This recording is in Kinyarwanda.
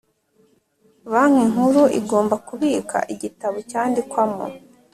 Banki Nkuru igomba kubika igitabo cyandikwamo